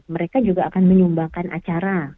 mereka juga akan menyumbangkan acara